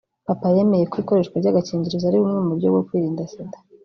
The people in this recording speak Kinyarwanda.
Papa yemeye ko ikoreshwa ry’agakingirizo ari bumwe mu buryo bwo kwirinda Sida